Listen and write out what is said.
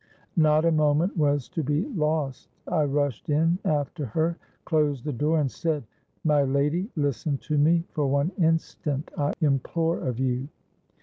Not a moment was to be lost. I rushed in after her, closed the door, and said, 'My lady, listen to me for one instant, I implore of you.'